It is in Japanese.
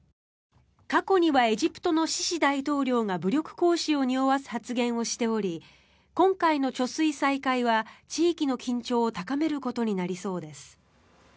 過去にはエジプトのシシ大統領が武力行使をにおわす発言をしており今回の貯水再開は地域の緊張を高めることになりそうです。